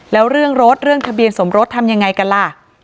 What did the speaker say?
แล้วเรื่องรถเรื่องทะเบียนสมรสทำยังไงกันล่ะ